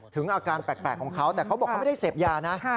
อาการแปลกของเขาแต่เขาบอกเขาไม่ได้เสพยานะ